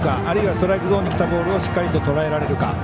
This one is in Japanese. あるいはストライクゾーンにきたボールをしっかりととらえられるか。